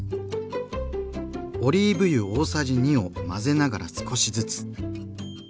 オリーブ油大さじ２を混ぜながら少しずつ。